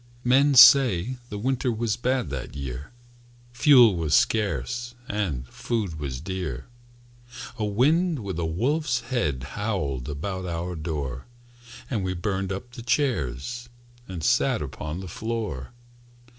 Men say the winter Was bad that year; Fuel was scarce, And food was dear. A wind with a wolf's head Howled about our door, And we burned up the chairs And sat upon the floor.